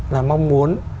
là mong muốn